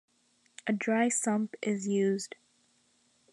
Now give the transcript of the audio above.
A dry sump is used.